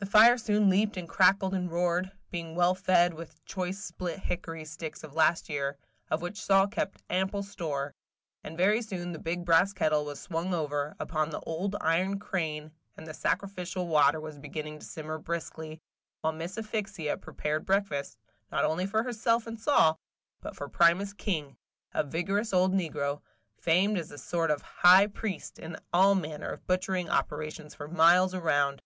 The fire soon leaped and crackled and roared, being well fed with choice split hickory sticks of last year, of which Sol kept ample store; and very soon the big brass kettle was swung over, upon the old iron crane, and the sacrificial water was beginning to simmer briskly, while Miss Asphyxia prepared breakfast, not only for herself and Sol, but for Primus King, a vigorous old negro, famed as a sort of high priest in all manner of butchering operations for miles around.